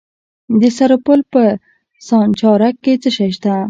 د سرپل په سانچارک کې څه شی شته؟